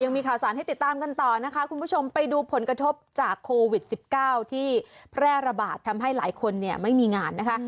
มีข่าวสารให้ติดตามกันต่อนะคะคุณผู้ชมไปดูผลกระทบจากโควิด๑๙ที่แพร่ระบาดทำให้หลายคนเนี่ยไม่มีงานนะคะ